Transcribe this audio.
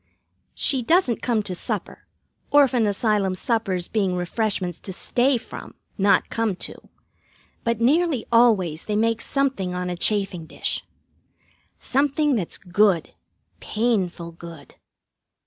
She doesn't come to supper, orphan asylum suppers being refreshments to stay from, not come to, but nearly always they make something on a chafing dish. Something that's good, painful good.